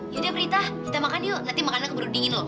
yaudah berita kita makan yuk nanti makanan keburu dingin loh